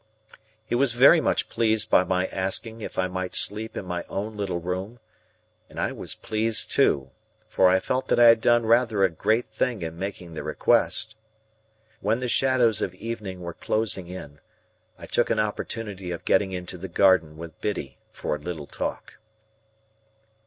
He was very much pleased by my asking if I might sleep in my own little room, and I was pleased too; for I felt that I had done rather a great thing in making the request. When the shadows of evening were closing in, I took an opportunity of getting into the garden with Biddy for a little talk.